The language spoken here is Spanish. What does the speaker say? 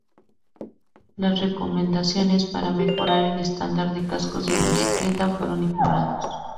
Las recomendaciones para mejorar el estándar de cascos de bicicleta fueron ignoradas.